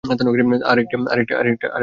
আর এটা একটা নৌকা!